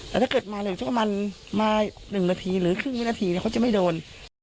แต่ถ้าเกิดมา๑ชั่วมันมา๑นาทีหรือครึ่งวินาทีเขาจะไม่โดน